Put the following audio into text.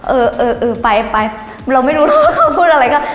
เออเออไปไปเราไม่รู้แล้วว่าเขาพูดอะไรค่ะ